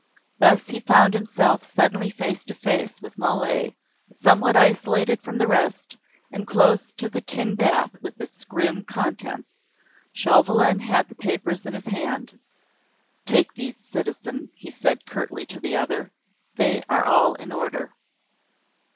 Thus he found himself suddenly face to face with Mole, somewhat isolated from the rest, and close to the tin bath with its grim contents. Chauvelin had the papers in his hand. "Take these, citizen," he said curtly to the other. "They are all in order."